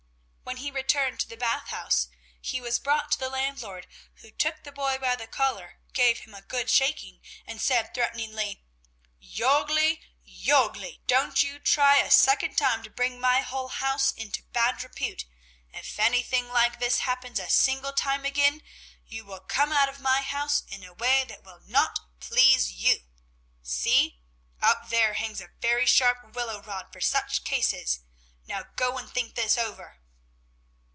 When he returned to the Bath House, he was brought to the landlord who took the boy by the collar, gave him a good shaking, and said threateningly: "Jörgli! Jörgli! Don't you try a second time to bring my whole house into bad repute! If anything like this happens a single time again, you will come out of my house in a way that will not please you! See, up there hangs a very sharp willow rod for such cases. Now go and think this over."